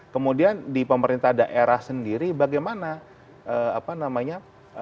kemudian di pemerintah daerah sendiri bagaimana